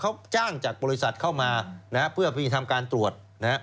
เขาจ้างจากบริษัทเข้ามาเพื่อมีทำการตรวจ